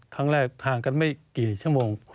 ครั้งแรกทางกันไม่กี่ชั่วโมง